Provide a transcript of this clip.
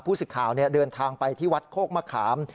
สิทธิ์ข่าวเดินทางไปที่วัดโคกมะขาม